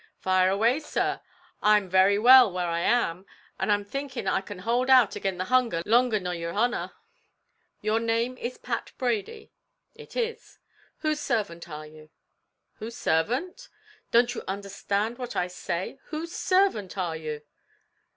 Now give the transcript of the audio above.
"Fire away, sir; I'm very well where I am, and I'm thinking I can howld out agin the hunger longer nor yer honer." "Your name is Pat Brady?" "It is." "Whose servant are you?" "Whose servant?" "Don't you understand what I say? whose servant are you?"